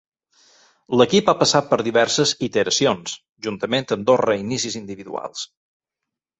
L'equip ha passat per diverses iteracions, juntament amb dos reinicis individuals.